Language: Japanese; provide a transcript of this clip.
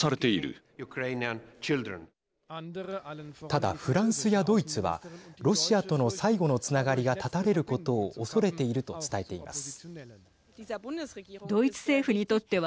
ただ、フランスやドイツはロシアとの最後のつながりが断たれることをおそれていると伝えています。